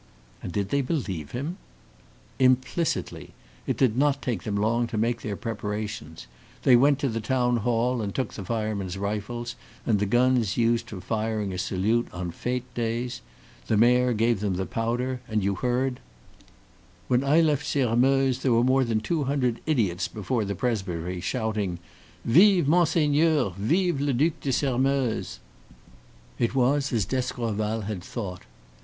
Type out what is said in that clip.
"And did they believe him?" "Implicitly. It did not take them long to make their preparations. They went to the town hall and took the firemen's rifles, and the guns used for firing a salute on fete days; the mayor gave them the powder, and you heard "When I left Sairmeuse there were more than two hundred idiots before the presbytery, shouting: "Vive Monseigneur! Vive le Duc de Sairmeuse!" It was as d'Escorval had thought.